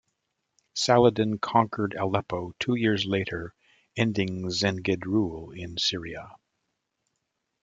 Saladin conquered Aleppo two years later, ending Zengid rule in Syria.